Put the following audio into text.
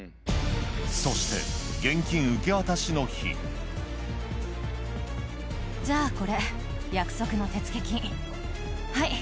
そして現金受け渡しの日じゃあこれ約束の手付金はい。